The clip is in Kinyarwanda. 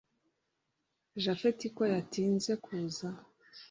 japhet ko cyatinze kuza